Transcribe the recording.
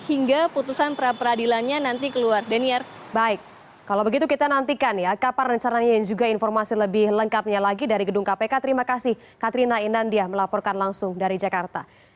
hingga putusan pra peradilannya nanti keluar